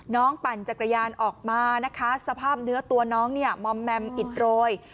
ปั่นจักรยานออกมานะคะสภาพเนื้อตัวน้องเนี่ยมอมแมมอิดโรย